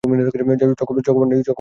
Chocobar নেই, অন্যকিছু দেই।